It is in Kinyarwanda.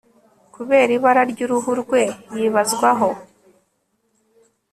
Kubera ibara ryuruhu rwe yibazwaho